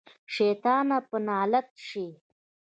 شيطانه په نالت شې.